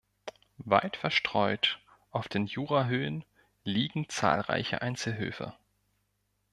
Weit verstreut auf den Jurahöhen liegen zahlreiche Einzelhöfe.